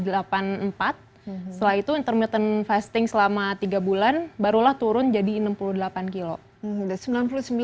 setelah itu intermittent fasting selama tiga bulan barulah turun jadi enam puluh delapan kilo